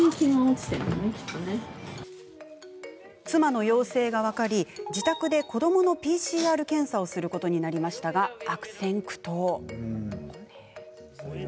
妻の陽性が分かり自宅で子どものＰＣＲ検査をすることになりましたが悪戦苦闘。